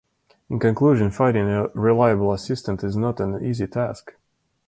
In conclusion, finding a reliable assistant is not an easy task.